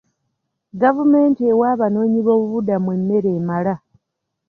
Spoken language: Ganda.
Gavumenti ewa abanoonyi b'obubudamu emmere emala.